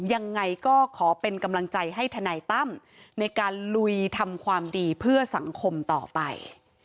ยังไงก็ขอเป็นกำลังใจให้ทนายตั้มในการลุยทำความดีเพื่อสังคมต่อไป